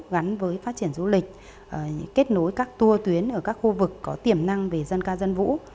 gắn với phát triển du lịch kết nối các tour tuyến ở các khu vực có tiềm năng về dân ca dân vũ